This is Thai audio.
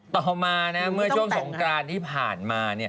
ต่อมาเมื่อช่วงสงกรานที่ผ่านมา